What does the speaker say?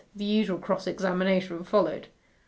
The usual cross examination followed.